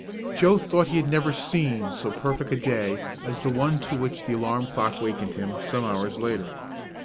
Joe thought he had never seen so perfect a day as the one to which the alarm clock awakened him some hours later.